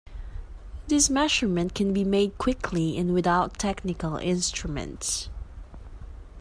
This measurement can be made quickly and without technical instruments.